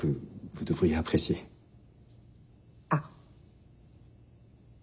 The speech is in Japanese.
あっ。